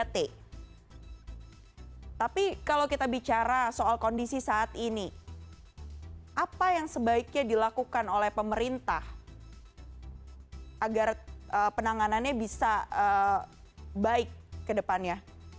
tapi kalau kita bicara soal kondisi saat ini apa yang sebaiknya dilakukan oleh pemerintah agar penanganannya bisa baik ke depannya